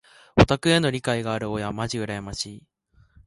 オタクへの理解のある親まじ羨ましい。